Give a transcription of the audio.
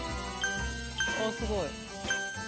あっすごい。